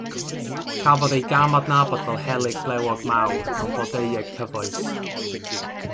Cafodd ei gam-adnabod fel helyg blewog mawr mewn blodeueg cyfoes.